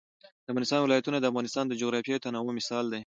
د افغانستان ولايتونه د افغانستان د جغرافیوي تنوع مثال دی.